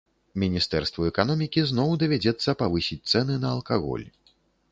Міністэрству эканомікі зноў давядзецца павысіць цэны на алкаголь.